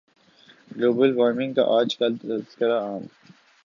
global warming کا آج کل تذکرہ عام